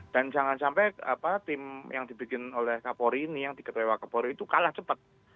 dan jangan sampai tim yang dibikin oleh kapolri ini yang diketuai oleh kapolri itu kalah cepat